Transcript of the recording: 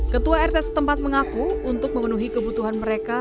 ketua rt setempat mengaku untuk memenuhi kebutuhan mereka